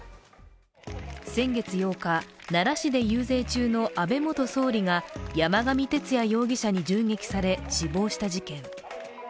先月８日、奈良市で遊説中の安倍元総理が山上徹也容疑者に銃撃され死亡した事件。